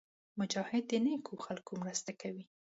مجاهد د نېکو خلکو مرسته کوي.